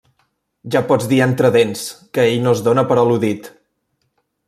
Ja pots dir entre dents, que ell no es dóna per al·ludit.